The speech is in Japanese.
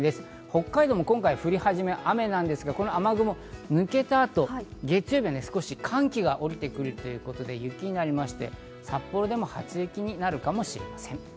北海道も今回、降り始めは雨ですが、雨雲が抜けた後、月曜日、寒気が下りてくるということで雪になりまして、札幌でも初雪になるかもしれません。